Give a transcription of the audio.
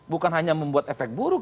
bukan hanya membuat efek buruk